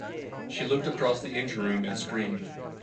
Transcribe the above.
She looked across the engine room and screamed.